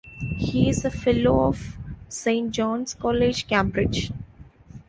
He is a fellow of Saint John's College, Cambridge.